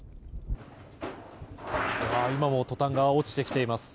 今もトタンが落ちてきています。